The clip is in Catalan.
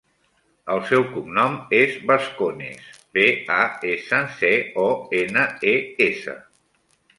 El seu cognom és Bascones: be, a, essa, ce, o, ena, e, essa.